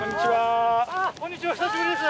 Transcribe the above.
こんにちは久しぶりです。